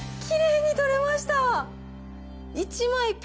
きれいに取れました。